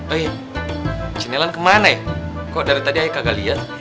eh cinelan kemana ya kok dari tadi ayo kagak lihat